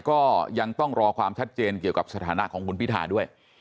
ก็ยังต้องรอความชัดเจนเกี่ยวกับสถานะของคุณพิธาด้วย